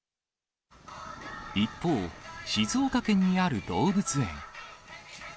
一方、静岡県にある動物園。